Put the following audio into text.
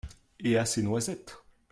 Et à ses noisettes.